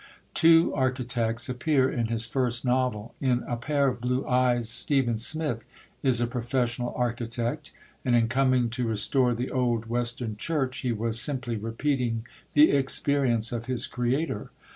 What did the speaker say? Two architects appear in his first novel. In A Pair of Blue Eyes Stephen Smith is a professional architect, and in coming to restore the old Western Church he was simply repeating the experience of his creator.